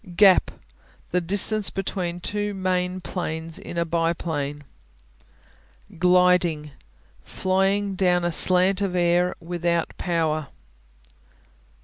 Gap The distance between two main planes in a biplane. Gliding Flying down a slant of air without power.